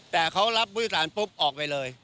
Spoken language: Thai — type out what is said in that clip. แต่เขารับบริการปุ๊บออกไปเลย